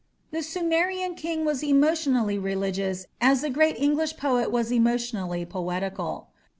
The Sumerian king was emotionally religious as the great English poet was emotionally poetical.